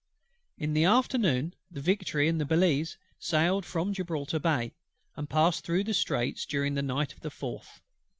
In the afternoon the Victory and Belleisle sailed from Gibraltar Bay, and passed through the Straits during the night of the 4th.